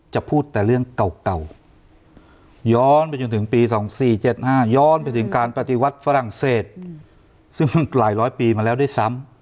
จะพูดแต่เรื่องเก่าย้อนไปจนถึงปี๒๔๗๕ย้อนไปถึงการปฏิวัติฝรั่งเศสซึ่งมันหลายร้อยปีมาแล้วด้วยซ้ำ